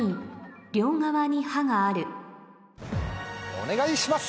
お願いします。